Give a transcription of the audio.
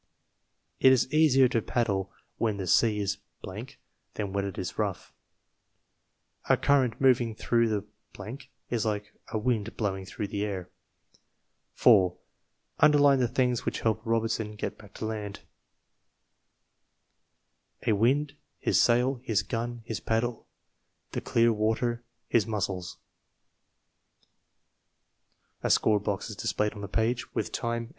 It is easier to paddle when the sea is than when it is rough. A current moving through the is like a wind blowing through the air. 4. Underline the things which helped Robinson get back to land: A wind his sail his gun his paddle the clear water his muscles Score Time No.